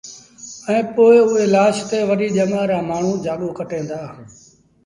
ائيٚݩ پو اُئي لآش تي وڏيٚ ڄمآر رآ مآڻهوٚٚݩجآڳو ڪٽين دآ